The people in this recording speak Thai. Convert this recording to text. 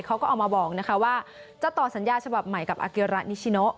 เขาก็ออกมาบอกว่าจะต่อสัญญาชบับใหม่กับอาเกียรติรัตินิชโน่